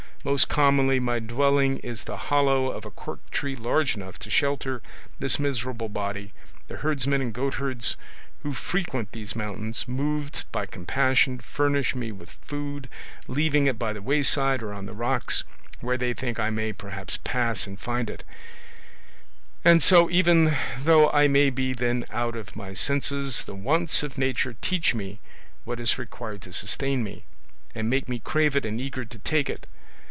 Most commonly my dwelling is the hollow of a cork tree large enough to shelter this miserable body; the herdsmen and goatherds who frequent these mountains, moved by compassion, furnish me with food, leaving it by the wayside or on the rocks, where they think I may perhaps pass and find it; and so, even though I may be then out of my senses, the wants of nature teach me what is required to sustain me, and make me crave it and eager to take it.